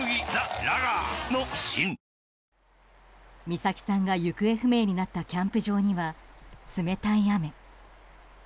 美咲さんが行方不明になったキャンプ場には冷たい雨。